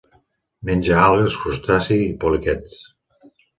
Menja algues, crustacis i poliquets.